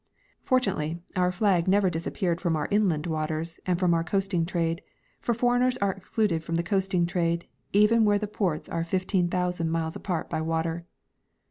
Fortunately, our flag never disappeared from our inland waters and from our coasting trade ; for foreigners are excluded from the coasting trade, even where the ports are fifteen thousand miles apart by water.